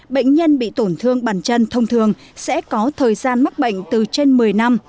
bệnh nhân bị tổn thương bản chân thông thường sẽ có thời gian mắc bệnh từ trên một mươi năm